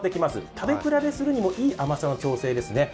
食べ比べするにもいい甘さの調整ですね。